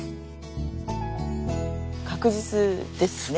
確実ですね